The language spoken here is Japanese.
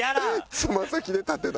つま先で立ってたで。